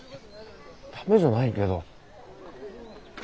ダメじゃないけど。